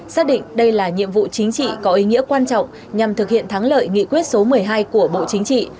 xác định đây là nhiệm vụ chính trị có ý nghĩa quan trọng nhằm thực hiện thắng lợi nghị quyết số một mươi hai của bộ chính trị